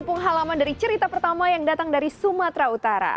kampung halaman dari cerita pertama yang datang dari sumatera utara